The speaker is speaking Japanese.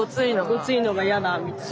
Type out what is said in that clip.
ゴツいのが嫌だみたいな？